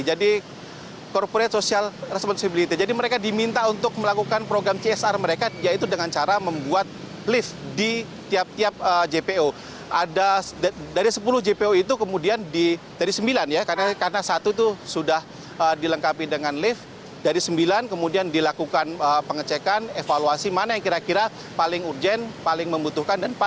jadi corporate social responsibility jadi mereka diminta untuk melakukan program csr mereka yaitu dengan cara membuat lift di tiap tiap jpo